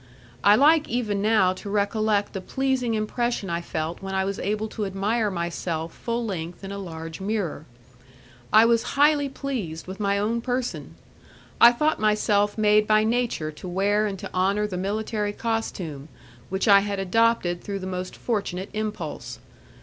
I like even now to recollect the pleasing impression I felt when I was able to admire myself full length in a large mirror. I was highly pleased with my own person! I thought myself made by nature to wear and to honour the military costume, which I had adopted through the most fortunate impulse.